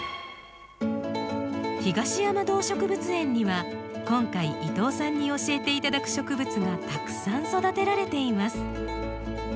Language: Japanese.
東山動植物園には今回伊藤さんに教えて頂く植物がたくさん育てられています。